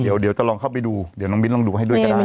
เดี๋ยวจะลองเข้าไปดูเดี๋ยวน้องมิ้นลองดูให้ด้วยก็ได้